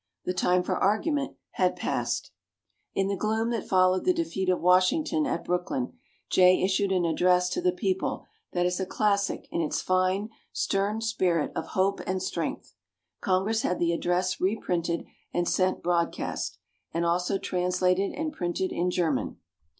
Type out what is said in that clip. The time for argument had passed. In the gloom that followed the defeat of Washington at Brooklyn, Jay issued an address to the people that is a classic in its fine, stern spirit of hope and strength. Congress had the address reprinted and sent broadcast, and also translated and printed in German.